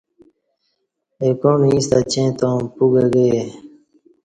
اہ کون اِیݩستہ اچیں تاوں پُوگہ گیے